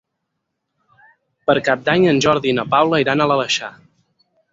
Per Cap d'Any en Jordi i na Paula iran a l'Aleixar.